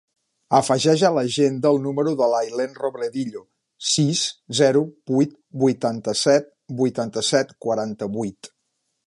Afegeix a l'agenda el número de l'Aylen Robledillo: sis, zero, vuit, vuitanta-set, vuitanta-set, quaranta-vuit.